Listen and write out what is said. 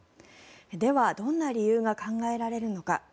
では、どんな理由が考えられるのか。